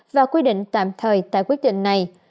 và quy định tạm thời tại quyết định này